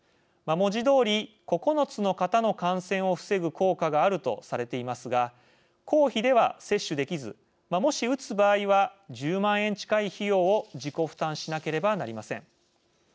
文字どおり、９つの型の感染を防ぐ効果があるとされていますが公費では接種できずもし打つ場合は１０万円近い費用を自己負担しなければなりません。